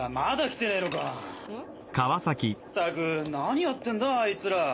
ったく何やってんだあいつら。